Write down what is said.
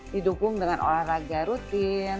didukung dengan olahraga rutin